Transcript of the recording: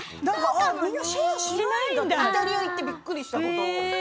イタリアに行ってびっくりしたの。